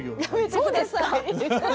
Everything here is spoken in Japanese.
そうですか？